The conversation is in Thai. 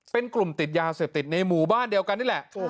เป็นกลุ่มติดยาเสพติดในหมู่บ้านเดียวกันนี่แหละ